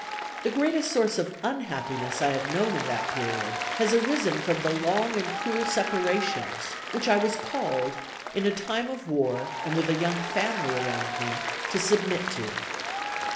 The greatest source of unhappiness I have known in that period has arisen from the long and cruel separations which I was called, in a time of war and with a young family around me, to submit to."